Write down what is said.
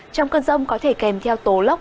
trong cơn rông có thể kèm theo tố lốc